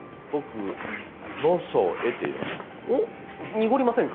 濁りませんか？